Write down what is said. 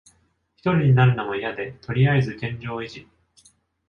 ひとりになるのもいやで、とりあえず現状維持。